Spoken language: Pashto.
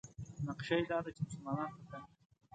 نقشه یې دا ده چې مسلمانان په تنګ کړي.